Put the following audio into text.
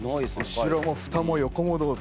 後ろも蓋も横もどうぞ。